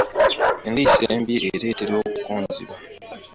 Endiisa embi ereetera okukonziba.